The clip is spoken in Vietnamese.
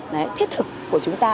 và cái ứng thiết thực của chúng ta